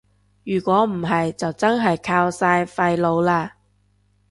如果唔係就真係靠晒廢老喇